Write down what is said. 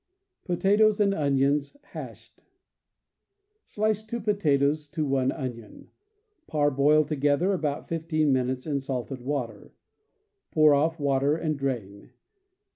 Potatoes a7id Onions, Hashed. — Slice two potatoes to one onion. Parboil together about fifteen minutes in salted water. Pour off water, and drain.